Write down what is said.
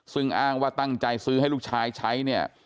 ซึ่งอ้างว่าตั้งใจซื้อให้ลูกชายใช้เนี่ย